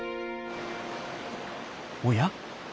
おや？